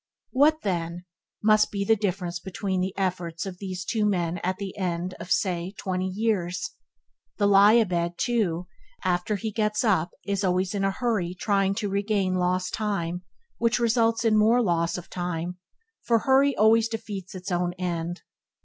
What, then, must be the difference between the efforts of these two men at the end, say, of twenty years! The lie a bed, too, after he gets up is always in a hurry trying to regain lost time, which results in more loss of time, for hurry always defeats its own end.